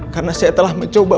karena saya telah mencoba